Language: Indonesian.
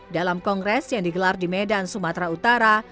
dalam kongres yang digelar di medan sumatera utara